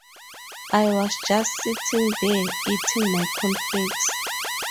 'I was just sitting there eating my cornflakes.